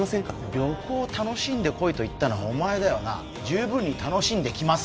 旅行を楽しめと言ったのはお前だ十分に楽しんできます